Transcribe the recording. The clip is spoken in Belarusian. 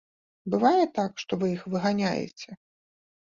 Бывае так, што вы іх выганяеце?